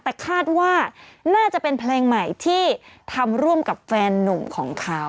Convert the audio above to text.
แต่คาดว่าน่าจะเป็นเพลงใหม่ที่ทำร่วมกับแฟนนุ่มของเขา